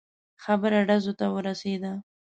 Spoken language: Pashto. خبره ډزو ته ورسېده.